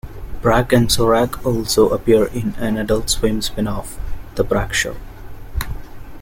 Brak and Zorak also appear in an "Adult Swim" spinoff, "The Brak Show".